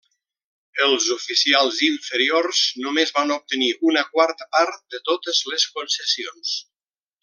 Els oficials inferiors només van obtenir una quarta part de totes les concessions.